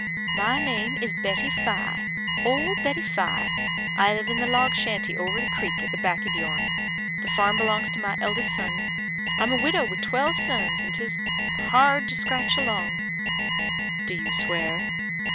"My name is Betty Fye old Betty Fye; I live in the log shanty over the creek, at the back of your'n. The farm belongs to my eldest son. I'm a widow with twelve sons; and 'tis hard to scratch along." "Do you swear?"